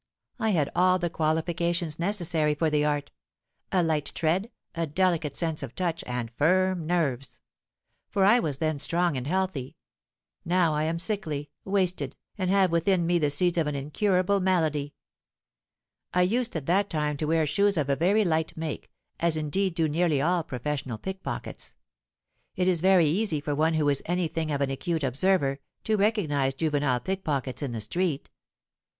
I had all the qualifications necessary for the art—a light tread, a delicate sense of touch, and firm nerves. For I was then strong and healthy: now I am sickly—wasted—and have within me the seeds of an incurable malady! I used at that time to wear shoes of a very light make—as indeed do nearly all professional pickpockets. It is very easy for one who is any thing of an acute observer, to recognise juvenile pickpockets in the street.